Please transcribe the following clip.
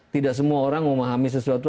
tidak semua orang memahami sesuatu